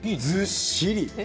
ずっしり。